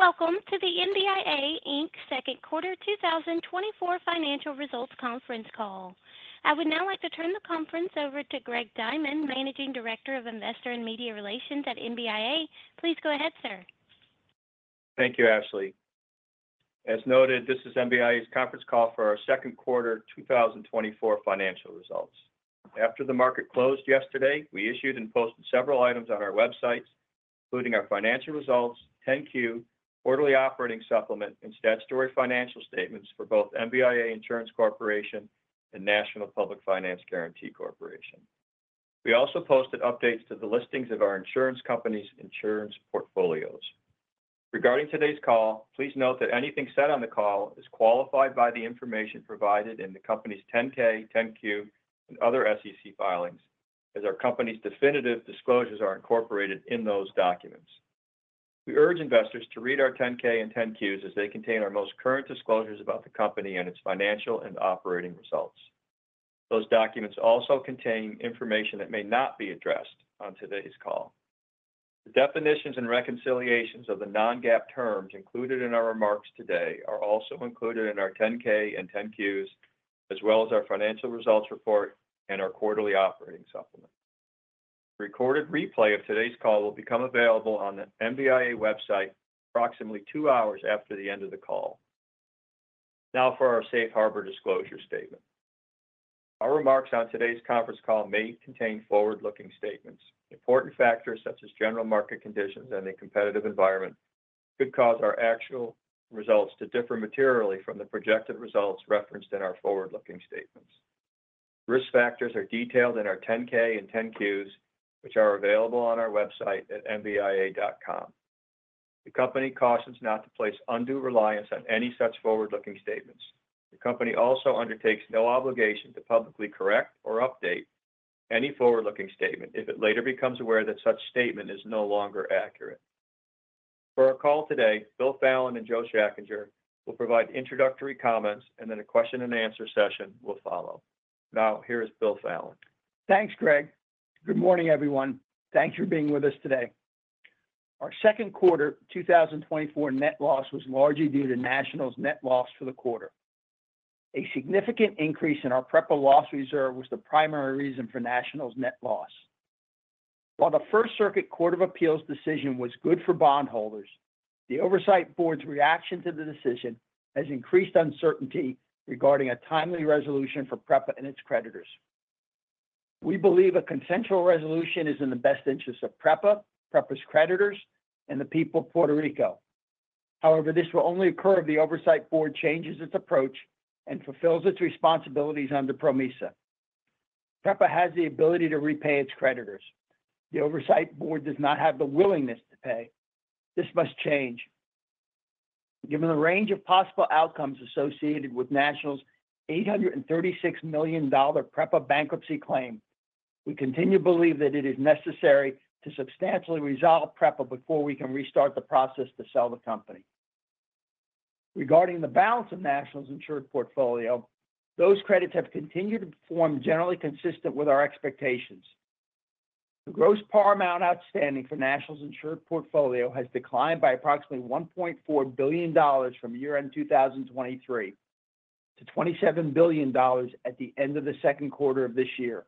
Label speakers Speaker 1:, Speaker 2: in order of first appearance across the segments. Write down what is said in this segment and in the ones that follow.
Speaker 1: Welcome to the MBIA, Inc. Second Quarter 2024 Financial Results Conference Call. I would now like to turn the conference over to Greg Diamond, Managing Director of Investor and Media Relations at MBIA. Please go ahead, sir.
Speaker 2: Thank you, Ashley. As noted, this is MBIA's conference call for our second quarter 2024 financial results. After the market closed yesterday, we issued and posted several items on our website, including our financial results, 10-Q, quarterly operating supplement, and statutory financial statements for both MBIA Insurance Corporation and National Public Finance Guarantee Corporation. We also posted updates to the listings of our insurance company's insurance portfolios. Regarding today's call, please note that anything said on the call is qualified by the information provided in the company's 10-K, 10-Q, and other SEC filings, as our company's definitive disclosures are incorporated in those documents. We urge investors to read our 10-K and 10-Qs as they contain our most current disclosures about the company and its financial and operating results. Those documents also contain information that may not be addressed on today's call. The definitions and reconciliations of the Non-GAAP terms included in our remarks today are also included in our 10-K and 10-Qs, as well as our financial results report and our quarterly operating supplement. A recorded replay of today's call will become available on the MBIA website approximately two hours after the end of the call. Now for our Safe Harbor disclosure statement. Our remarks on today's conference call may contain forward-looking statements. Important factors such as general market conditions and the competitive environment could cause our actual results to differ materially from the projected results referenced in our forward-looking statements. Risk factors are detailed in our 10-K and 10-Qs, which are available on our website at mbia.com. The company cautions not to place undue reliance on any such forward-looking statements. The company also undertakes no obligation to publicly correct or update any forward-looking statement if it later becomes aware that such statement is no longer accurate. For our call today, Bill Fallon and Joe Schachinger will provide introductory comments, and then a question and answer session will follow. Now, here is Bill Fallon.
Speaker 3: Thanks, Greg. Good morning, everyone. Thanks for being with us today. Our second quarter 2024 net loss was largely due to National's net loss for the quarter. A significant increase in our PREPA loss reserve was the primary reason for National's net loss. While the First Circuit Court of Appeals decision was good for bondholders, the Oversight Board's reaction to the decision has increased uncertainty regarding a timely resolution for PREPA and its creditors. We believe a consensual resolution is in the best interest of PREPA, PREPA's creditors and the people of Puerto Rico. However, this will only occur if the Oversight Board changes its approach and fulfills its responsibilities under PROMESA. PREPA has the ability to repay its creditors. The Oversight Board does not have the willingness to pay. This must change. Given the range of possible outcomes associated with National's $836 million PREPA bankruptcy claim, we continue to believe that it is necessary to substantially resolve PREPA before we can restart the process to sell the company. Regarding the balance of National's insured portfolio, those credits have continued to perform generally consistent with our expectations. The gross par amount outstanding for National's insured portfolio has declined by approximately $1.4 billion from year-end 2023 to $27 billion at the end of the second quarter of this year.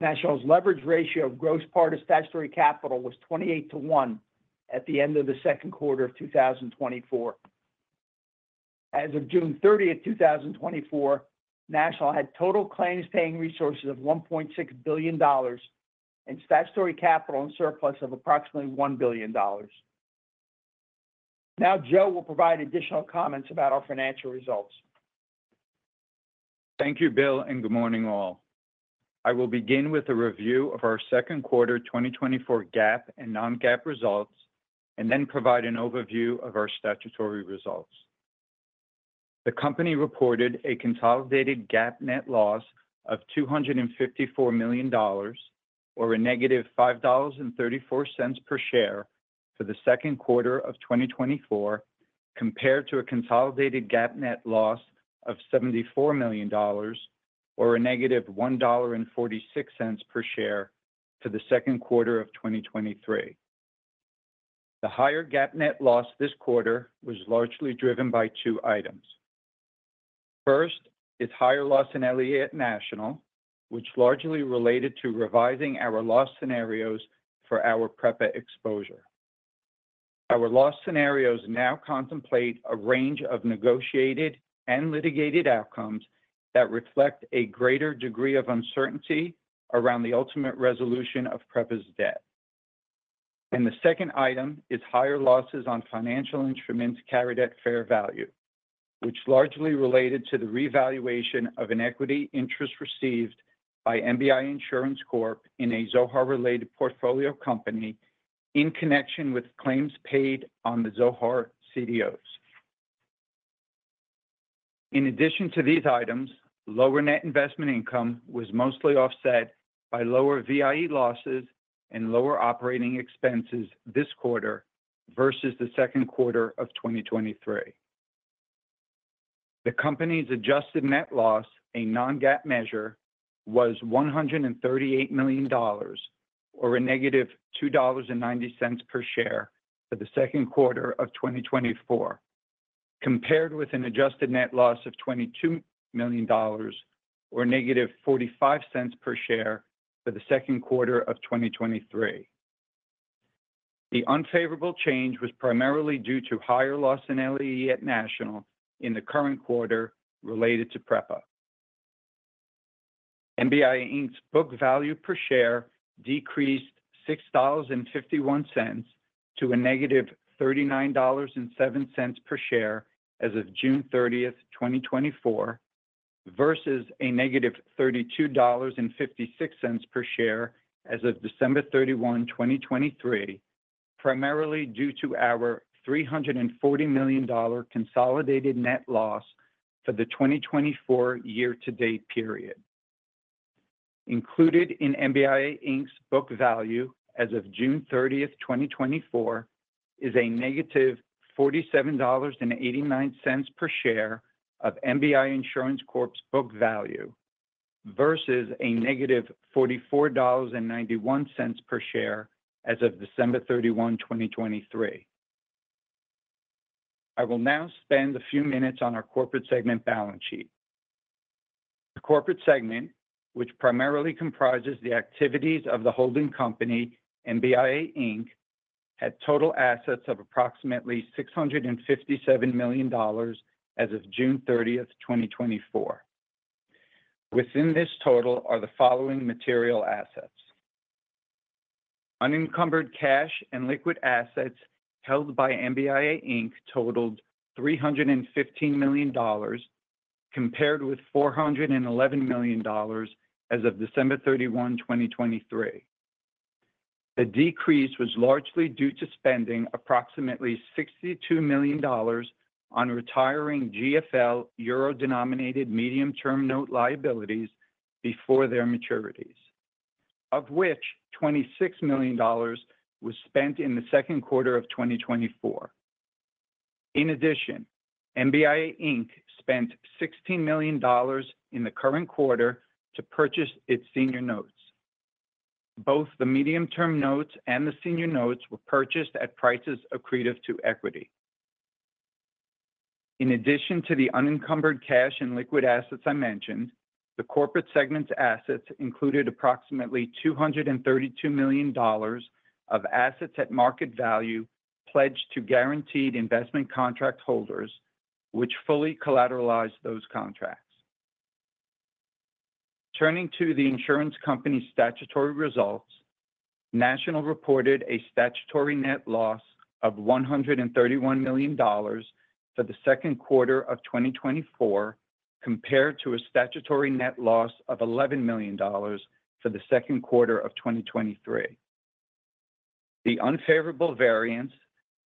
Speaker 3: National's leverage ratio of gross par to statutory capital was 28 to 1 at the end of the second quarter of 2024. As of June 30, 2024, National had total claims-paying resources of $1.6 billion and statutory capital and surplus of approximately $1 billion. Now, Joe will provide additional comments about our financial results.
Speaker 4: Thank you, Bill, and good morning, all. I will begin with a review of our second quarter 2024 GAAP and non-GAAP results, and then provide an overview of our statutory results. The company reported a consolidated GAAP net loss of $254 million, or -$5.34 per share for the second quarter of 2024, compared to a consolidated GAAP net loss of $74 million or -$1.46 per share for the second quarter of 2023. The higher GAAP net loss this quarter was largely driven by two items. First, its higher loss in National, which largely related to revising our loss scenarios for our PREPA exposure. Our loss scenarios now contemplate a range of negotiated and litigated outcomes that reflect a greater degree of uncertainty around the ultimate resolution of PREPA's debt. The second item is higher losses on financial instruments carried at fair value, which largely related to the revaluation of an equity interest received by MBIA Insurance Corp. in a Zohar-related portfolio company in connection with claims paid on the Zohar CDOs. In addition to these items, lower net investment income was mostly offset by lower VIE losses and lower operating expenses this quarter versus the second quarter of 2023. The company's adjusted net loss, a non-GAAP measure, was $138 million or -$2.90 per share for the second quarter of 2024, compared with an adjusted net loss of $22 million or -$0.45 per share for the second quarter of 2023. The unfavorable change was primarily due to higher loss in LAE at National in the current quarter related to PREPA. MBIA Inc.'s book value per share decreased $6.51 to a negative $39.07 per share as of June 30, 2024, versus a negative $32.56 per share as of December 31, 2023, primarily due to our $340 million consolidated net loss for the 2024 year-to-date period. Included in MBIA Inc.'s book value as of June 30, 2024, is a negative $47.89 per share of MBIA Insurance Corp.'s book value, versus a negative $44.91 per share as of December 31, 2023. I will now spend a few minutes on our corporate segment balance sheet. The corporate segment, which primarily comprises the activities of the holding company, MBIA Inc., had total assets of approximately $657 million as of June 30, 2024. Within this total are the following material assets: Unencumbered cash and liquid assets held by MBIA Inc. totaled $315 million, compared with $411 million as of December 31, 2023. The decrease was largely due to spending approximately $62 million on retiring GFL euro-denominated medium-term note liabilities before their maturities, of which $26 million was spent in the second quarter of 2024. In addition, MBIA Inc. spent $16 million in the current quarter to purchase its senior notes. Both the medium-term notes and the senior notes were purchased at prices accretive to equity. In addition to the unencumbered cash and liquid assets I mentioned, the corporate segment's assets included approximately $232 million of assets at market value, pledged to guaranteed investment contract holders, which fully collateralized those contracts. Turning to the insurance company's statutory results, National reported a statutory net loss of $131 million for the second quarter of 2024, compared to a statutory net loss of $11 million for the second quarter of 2023. The unfavorable variance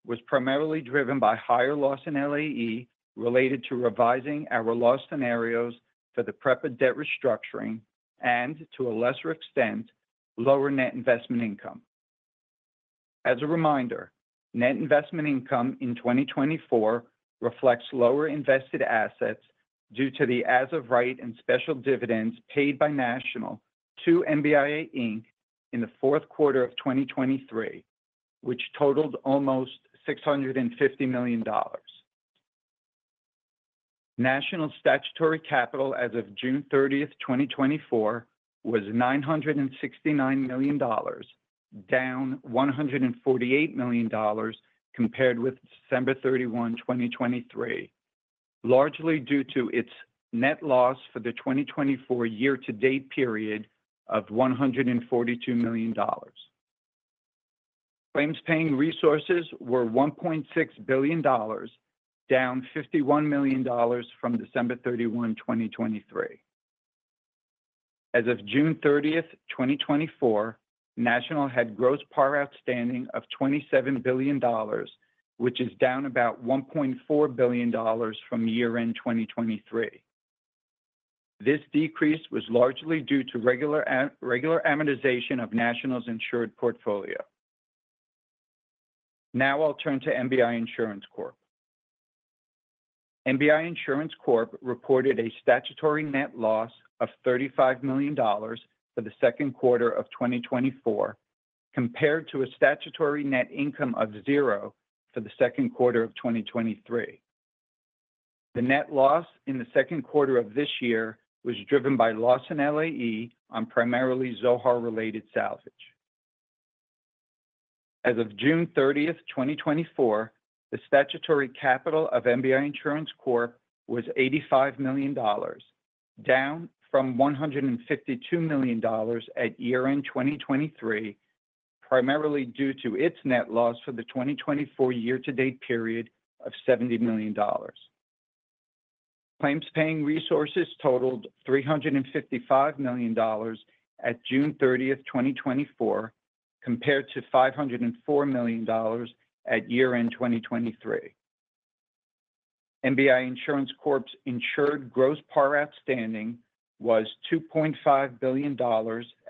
Speaker 4: was primarily driven by higher loss in LAE related to revising our loss scenarios for the PREPA debt restructuring and, to a lesser extent, lower net investment income. As a reminder, net investment income in 2024 reflects lower invested assets due to the as-of-right and special dividends paid by National to MBIA Inc. In the fourth quarter of 2023, which totaled almost $650 million. National statutory capital as of June 30, 2024, was $969 million, down $148 million compared with December 31, 2023, largely due to its net loss for the 2024 year-to-date period of $142 million. Claims paying resources were $1.6 billion, down $51 million from December 31, 2023. As of June 30, 2024, National had gross par outstanding of $27 billion, which is down about $1.4 billion from year-end 2023. This decrease was largely due to regular amortization of National's insured portfolio. Now I'll turn to MBIA Insurance Corp. MBIA Insurance Corp. reported a statutory net loss of $35 million for the second quarter of 2024, compared to a statutory net income of $0 for the second quarter of 2023. The net loss in the second quarter of this year was driven by loss in LAE on primarily Zohar-related salvage. As of June 30, 2024, the statutory capital of MBIA Insurance Corp. was $85 million, down from $152 million at year-end 2023, primarily due to its net loss for the 2024 year-to-date period of $70 million. Claims-paying resources totaled $355 million at June 30, 2024, compared to $504 million at year-end 2023. MBIA Insurance Corp's insured gross par outstanding was $2.5 billion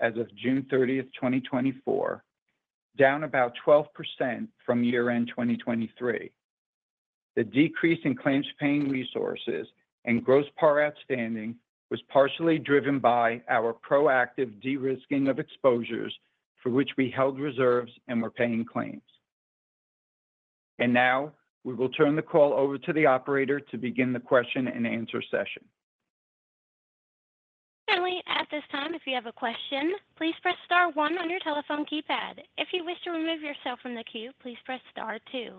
Speaker 4: as of June 30, 2024.... down about 12% from year-end 2023. The decrease in claims-paying resources and gross par outstanding was partially driven by our proactive de-risking of exposures for which we held reserves and were paying claims. And now, we will turn the call over to the operator to begin the question-and-answer session.
Speaker 1: Finally, at this time, if you have a question, please press star one on your telephone keypad. If you wish to remove yourself from the queue, please press star two.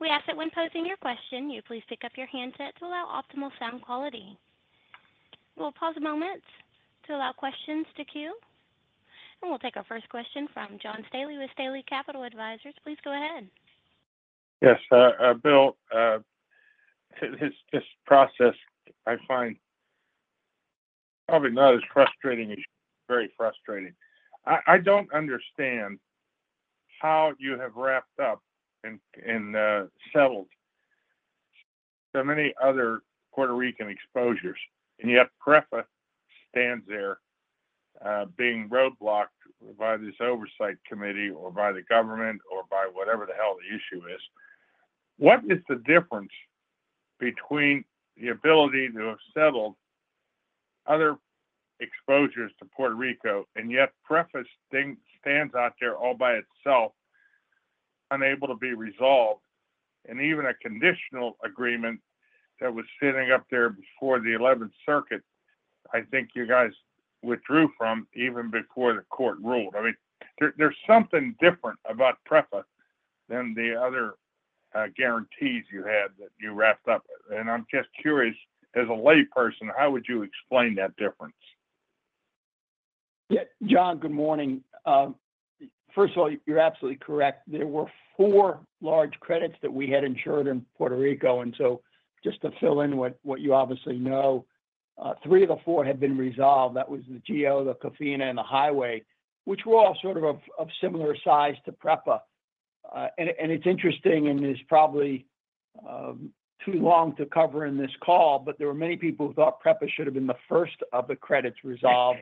Speaker 1: We ask that when posing your question, you please pick up your handset to allow optimal sound quality. We'll pause a moment to allow questions to queue, and we'll take our first question from John Staley with Staley Capital Advisers. Please go ahead.
Speaker 3: Yes, Bill, this process, I find probably not as frustrating as very frustrating. I don't understand how you have wrapped up and settled so many other Puerto Rican exposures, and yet PREPA stands there, being roadblocked by this oversight committee, or by the government, or by whatever the hell the issue is. What is the difference between the ability to have settled other exposures to Puerto Rico, and yet PREPA still stands out there all by itself, unable to be resolved? And even a conditional agreement that was sitting up there before the First Circuit, I think you guys withdrew from even before the court ruled. I mean, there's something different about PREPA than the other guarantees you had that you wrapped up. And I'm just curious, as a layperson, how would you explain that difference? Yeah, John, good morning. First of all, you're absolutely correct. There were four large credits that we had insured in Puerto Rico, and so just to fill in what you obviously know, three of the four had been resolved. That was the GO, the COFINA, and the Highway, which were all sort of similar size to PREPA. And it's interesting, and it's probably too long to cover in this call, but there were many people who thought PREPA should have been the first of the credits resolved.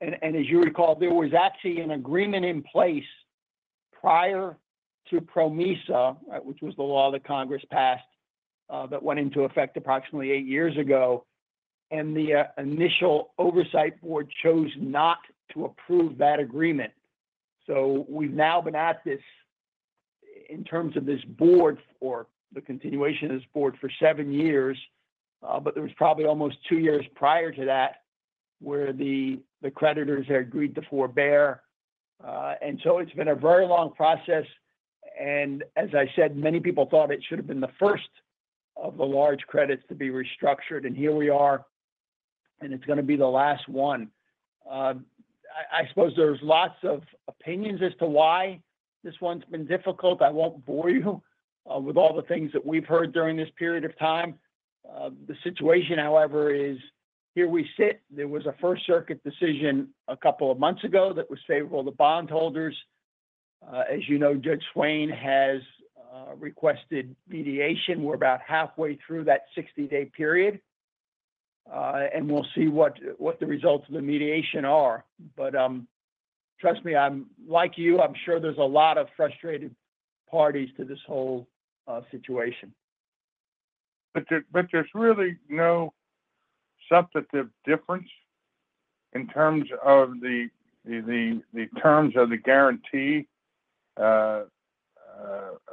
Speaker 3: And as you recall, there was actually an agreement in place prior to PROMESA, which was the law that Congress passed, that went into effect approximately eight years ago, and the initial oversight board chose not to approve that agreement. We've now been at this, in terms of this board or the continuation of this board, for seven years. But there was probably almost two years prior to that, where the creditors had agreed to forbear. And so it's been a very long process, and as I said, many people thought it should have been the first of the large credits to be restructured, and here we are, and it's gonna be the last one. I suppose there's lots of opinions as to why this one's been difficult. I won't bore you with all the things that we've heard during this period of time. The situation, however, is here we sit. There was a First Circuit decision a couple of months ago that was favorable to bondholders. As you know, Judge Swain has requested mediation. We're about halfway through that 60-day period, and we'll see what the results of the mediation are. But, trust me, I'm like you. I'm sure there's a lot of frustrated parties to this whole situation.
Speaker 5: But there's really no substantive difference in terms of the terms of the guarantee? I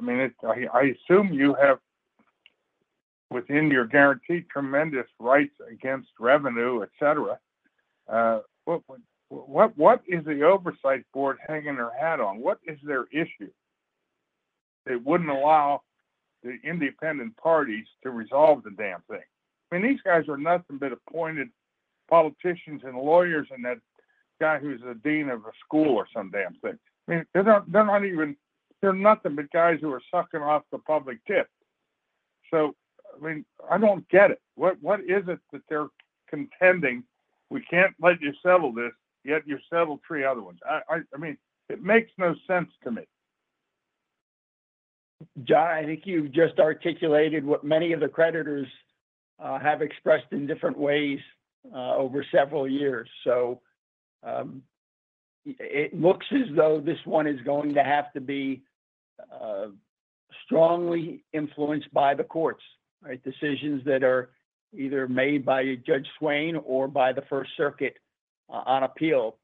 Speaker 5: mean, I assume you have, within your guarantee, tremendous rights against revenue, et cetera. What is the Oversight Board hanging their hat on? What is their issue? They wouldn't allow the independent parties to resolve the damn thing. I mean, these guys are nothing but appointed politicians and lawyers, and that guy who's a dean of a school or some damn thing. I mean, they're not even - they're nothing but guys who are sucking off the public tit. So, I mean, I don't get it. What is it that they're contending, "We can't let you settle this," yet you settled three other ones? I mean, it makes no sense to me.
Speaker 3: John, I think you've just articulated what many of the creditors have expressed in different ways over several years. So, it looks as though this one is going to have to be strongly influenced by the courts, right? Decisions that are either made by Judge Swain or by the First Circuit on appeal.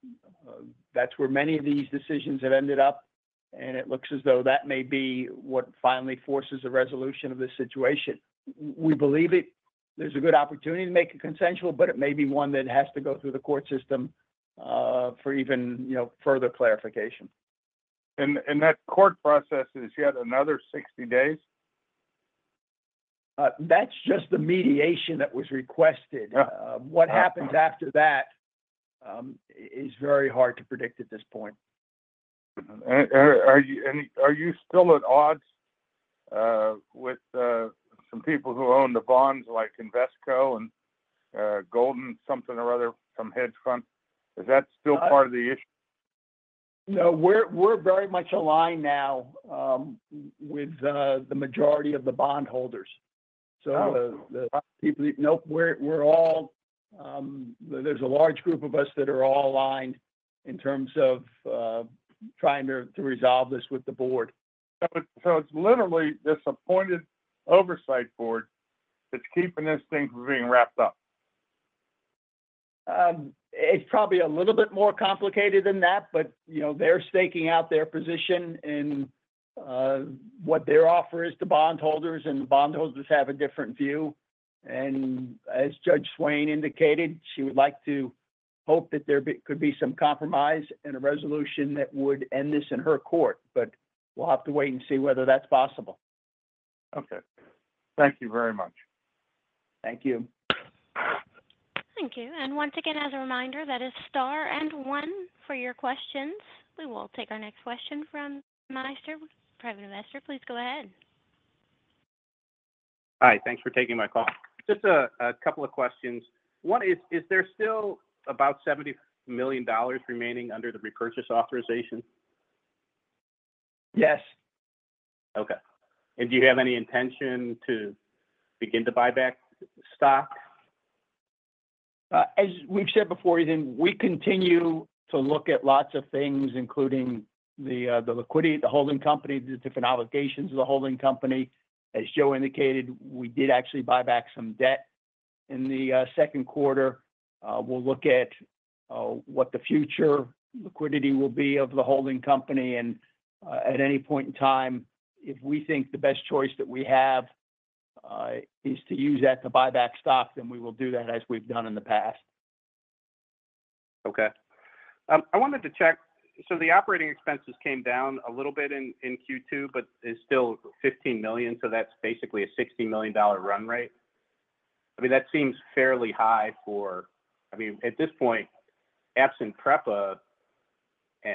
Speaker 3: That's where many of these decisions have ended up, and it looks as though that may be what finally forces a resolution of this situation. We believe it, there's a good opportunity to make it consensual, but it may be one that has to go through the court system for even, you know, further clarification.
Speaker 5: And that court process is yet another 60 days?
Speaker 3: That's just the mediation that was requested.
Speaker 5: Yeah.
Speaker 3: What happens after that is very hard to predict at this point.
Speaker 5: Are you still at odds with some people who own the bonds, like Invesco and Golden something or other, some hedge fund? Is that still part of the issue?
Speaker 3: No, we're very much aligned now with the majority of the bondholders. So the people, nope, we're all. There's a large group of us that are all aligned in terms of trying to resolve this with the board.
Speaker 5: So, it's literally this appointed oversight board that's keeping this thing from being wrapped up?
Speaker 3: It's probably a little bit more complicated than that, but, you know, they're staking out their position and, what their offer is to bondholders, and the bondholders have a different view. As Judge Swain indicated, she would like to hope that could be some compromise and a resolution that would end this in her court, but we'll have to wait and see whether that's possible.
Speaker 5: Okay. Thank you very much.
Speaker 3: Thank you.
Speaker 1: Thank you. Once again, as a reminder, that is star and one for your questions. We will take our next question from Meister, private investor. Please go ahead.
Speaker 6: Hi, thanks for taking my call. Just a couple of questions. One is, is there still about $70 million remaining under the repurchase authorization?
Speaker 3: Yes.
Speaker 6: Okay. And do you have any intention to begin to buy back stock?
Speaker 3: As we've said before, Eitan, we continue to look at lots of things, including the liquidity, the holding company, the different obligations of the holding company. As Joe indicated, we did actually buy back some debt in the second quarter. We'll look at what the future liquidity will be of the holding company, and at any point in time, if we think the best choice that we have is to use that to buy back stock, then we will do that as we've done in the past.
Speaker 6: Okay. I wanted to check. So the operating expenses came down a little bit in Q2, but it's still $15 million, so that's basically a $60 million run rate. I mean, that seems fairly high for, I mean, at this point, absent PREPA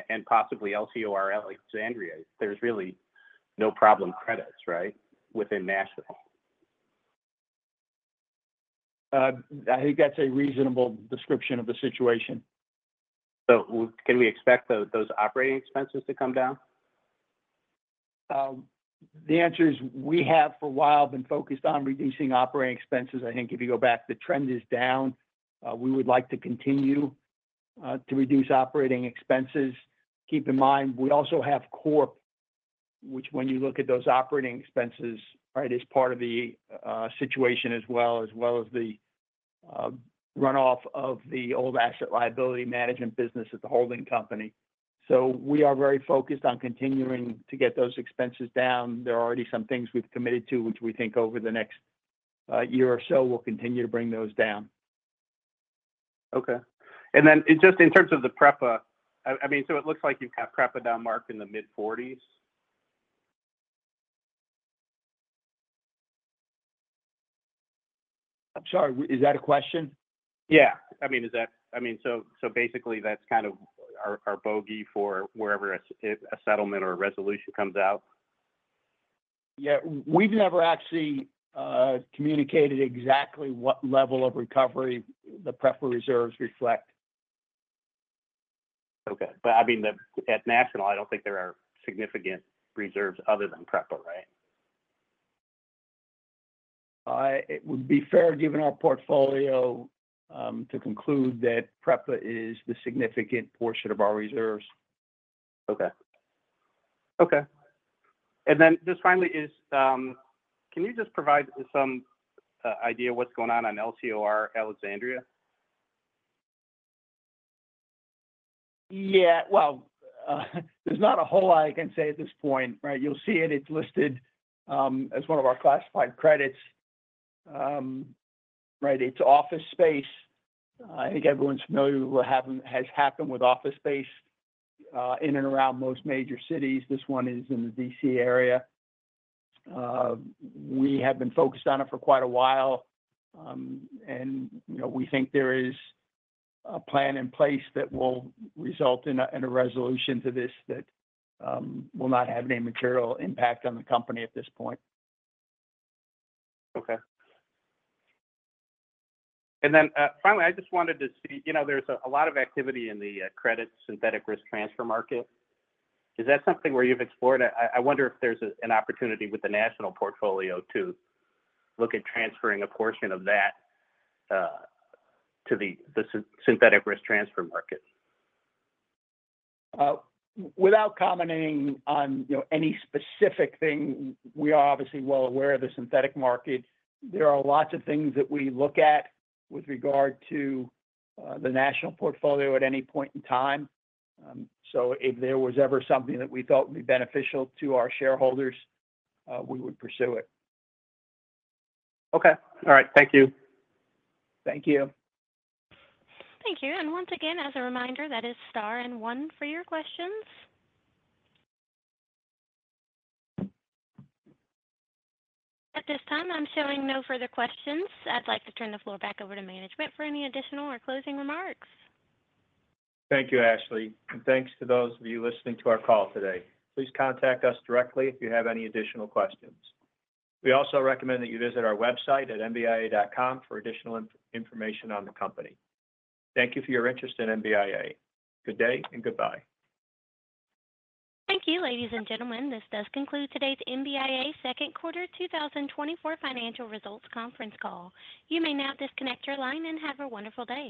Speaker 6: and possibly LCOR Alexandria, there's really no problem credits, right? Within National.
Speaker 3: I think that's a reasonable description of the situation.
Speaker 6: So can we expect those operating expenses to come down?
Speaker 3: The answer is, we have for a while been focused on reducing operating expenses. I think if you go back, the trend is down. We would like to continue to reduce operating expenses. Keep in mind, we also have Corp, which when you look at those operating expenses, right, is part of the situation as well, as well as the runoff of the old asset liability management business at the holding company. So we are very focused on continuing to get those expenses down. There are already some things we've committed to, which we think over the next year or so will continue to bring those down.
Speaker 6: Okay. And then just in terms of the PREPA, I, I mean, so it looks like you have PREPA down marked in the mid-forties.
Speaker 3: I'm sorry, is that a question?
Speaker 6: Yeah. I mean, is that, I mean, so basically, that's kind of our bogey for wherever a settlement or a resolution comes out?
Speaker 3: Yeah. We've never actually communicated exactly what level of recovery the PREPA reserves reflect.
Speaker 6: Okay. But, I mean, the at National, I don't think there are significant reserves other than PREPA, right?
Speaker 3: It would be fair, given our portfolio, to conclude that PREPA is the significant portion of our reserves.
Speaker 6: Okay. Okay. And then just finally is, can you just provide some idea of what's going on in LCOR Alexandria?
Speaker 3: Yeah. Well, there's not a whole lot I can say at this point, right? You'll see it, it's listed as one of our classified credits. Right, it's office space. I think everyone's familiar with what happened, has happened with office space in and around most major cities. This one is in the D.C. area. We have been focused on it for quite a while, and, you know, we think there is a plan in place that will result in a resolution to this that will not have any material impact on the company at this point.
Speaker 6: Okay. And then, finally, I just wanted to see... You know, there's a lot of activity in the credit synthetic risk transfer market. Is that something where you've explored? I wonder if there's an opportunity with the National portfolio to look at transferring a portion of that to the synthetic risk transfer market.
Speaker 3: Without commenting on, you know, any specific thing, we are obviously well aware of the synthetic market. There are lots of things that we look at with regard to the National portfolio at any point in time. So if there was ever something that we thought would be beneficial to our shareholders, we would pursue it.
Speaker 6: Okay. All right. Thank you.
Speaker 3: Thank you.
Speaker 1: Thank you. And once again, as a reminder, that is star and one for your questions. At this time, I'm showing no further questions. I'd like to turn the floor back over to management for any additional or closing remarks.
Speaker 3: Thank you, Ashley, and thanks to those of you listening to our call today. Please contact us directly if you have any additional questions. We also recommend that you visit our website at mbia.com for additional information on the company. Thank you for your interest in MBIA. Good day and goodbye.
Speaker 1: Thank you, ladies and gentlemen. This does conclude today's MBIA second quarter 2024 financial results conference call. You may now disconnect your line and have a wonderful day.